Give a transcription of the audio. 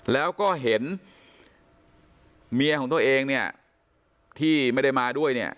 แล้วก็เห็นเมียของตัวเองเนี่ยที่ไม่ได้มาด้วยเนี่ย